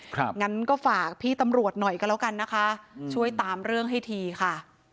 งั้นก็ฝากพี่ตำรวจหน่อยก็แล้วกันนะคะช่วยตามเรื่องให้ทีค่ะ